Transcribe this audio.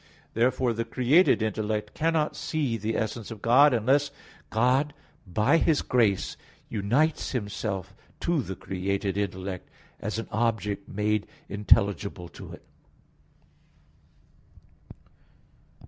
Therefore the created intellect cannot see the essence of God, unless God by His grace unites Himself to the created intellect, as an object made intelligible to it.